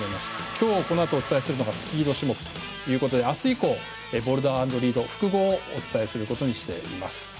今日、このあとお伝えするのがスピード種目ということで明日以降、ボルダー＆リード複合をお伝えすることにしています。